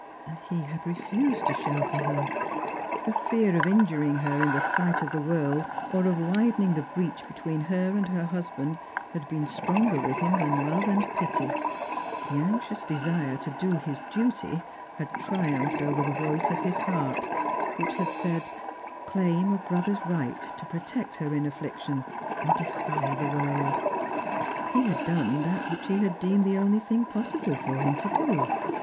And he had refused to shelter her. The fear of injuring her in the sight of the world, or of widening the breach between her and her husband, had been stronger with him than love and pity ; the anxious desire to do his duty had triumphed over the voice of his heart, which had said, " Claim a brother's right to protect her in her afflic tion, and defy the world." He had done that which he had deemed the only thing pos sible for him to do.